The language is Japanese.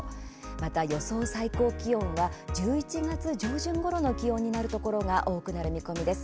また、予想最高気温は１１月上旬ごろの気温になるところが多くなる見込みです。